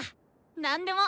何でも！